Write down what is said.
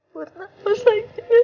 buat apa saja